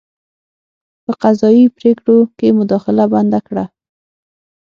په قضايي پرېکړو کې مداخله بنده کړه.